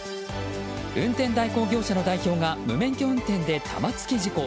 運転代行業者の代表が無免許運転で玉突き事故。